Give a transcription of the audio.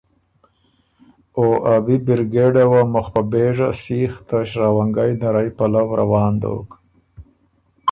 او ا بی بِرګېډه وه مُخ په بېژه سېخ ته شراونګئ نرئ پلؤ روان دوک،